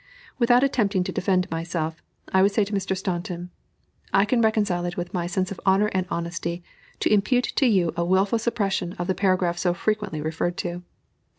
Without attempting to defend myself, I would say to Mr. Staunton: "I can reconcile it with my sense of honor and honesty, to impute to you a wilful suppression of the paragraph so frequently referred to.